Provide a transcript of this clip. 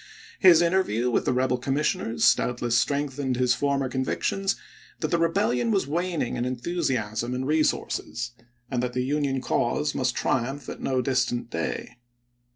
His interview with the rebel commissioners doubtless strength ened his former convictions that the rebellion was waning in enthusiasm and resources, and that the Union cause must triumph at no distant day.